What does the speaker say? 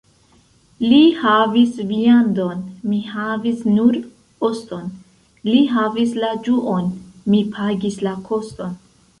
Li havis viandon, mi havis nur oston — li havis la ĝuon, mi pagis la koston.